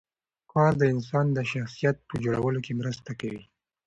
کار د انسان د شخصیت په جوړولو کې مرسته کوي